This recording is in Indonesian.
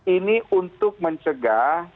ini untuk mencegah